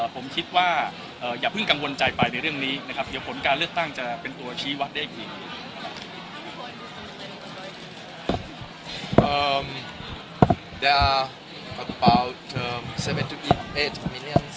ผมคิดว่าอย่าเพิ่งกังวลใจไปในเรื่องนี้นะครับเดี๋ยวผลการเลือกตั้งจะเป็นตัวชี้วัดได้อีกทีหนึ่ง